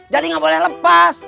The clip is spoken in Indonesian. jadi gak boleh lepas